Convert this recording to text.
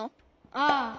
ああ。